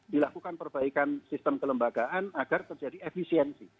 dilakukan perbaikan sistem kelembagaan agar terjadi efisiensi